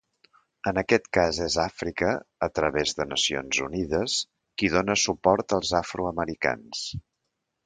En aquest cas és Àfrica, a través de Nacions Unides, qui dóna suport als afroamericans.